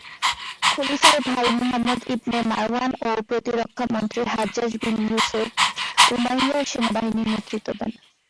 খলিফার ভাই Muhammad Ibn Marwan ও প্রতিরক্ষা মন্ত্রী হাজ্জাজ বিন ইউসুফ উমাইয়া সেনাবাহিনীর নেতৃত্ব দেন।